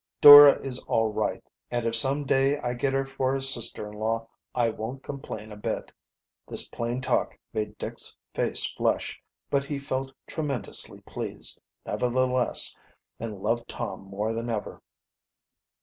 "Dora is all right, and if some day I get her for a sister in law I won't complain a bit." This plain talk made Dick's face flush, but he felt tremendously pleased, nevertheless, and loved Tom more than ever.